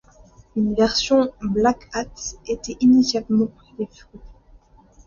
Une version blackhat était initialement prévue.